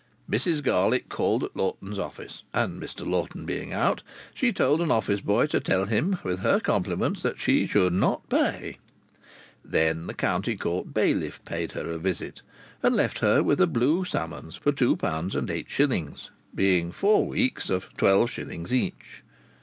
Mrs Garlick called at Lawton's office, and, Mr Lawton being out, she told an office boy to tell him with her compliments that she should not pay. Then the County Court bailiff paid her a visit, and left with her a blue summons for £2, 8s., being four weeks of twelve shillings each.